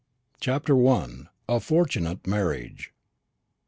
CHAPTER I. A FORTUNATE MARRIAGE.